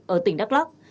ở tỉnh đắk lóc